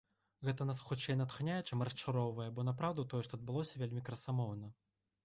Нас гэта хутчэй натхняе, чым расчароўвае, бо, напраўду, тое, што адбылося вельмі красамоўна.